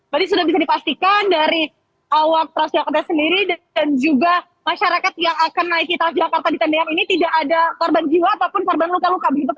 berarti sudah bisa dipastikan dari awak teras jakarta sendiri dan juga masyarakat yang akan naik ke talas jakarta di tendian ini tidak ada korban jiwa ataupun korban luka luka begitu pak